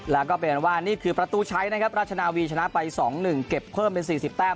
แล้วก็เป็นว่านี่คือประตูใช้นะครับราชนาวีชนะไป๒๑เก็บเพิ่มเป็น๔๐แต้ม